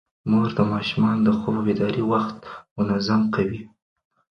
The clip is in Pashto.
مور د ماشومانو د خوب او بیدارۍ وخت منظم کوي.